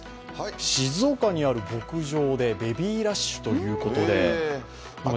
静岡にある牧場でベビーラッシュということで。